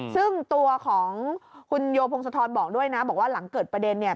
ซึ่งตัวของคุณโยพงศธรบอกด้วยนะบอกว่าหลังเกิดประเด็นเนี่ย